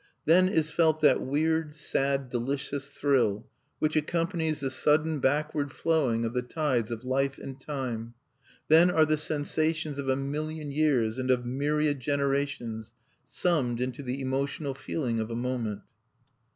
Then is felt that weird, sad, delicious thrill, which accompanies the sudden backward flowing of the tides of life and time; then are the sensations of a million years and of myriad generations summed into the emotional feeling of a moment.